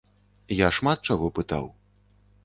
Я шмат чаго пытаў.